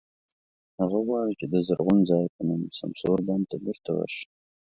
هغه غواړي چې د "زرغون ځای" په نوم سمسور بڼ ته بېرته ورشي.